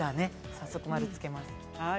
早速、○をつけます。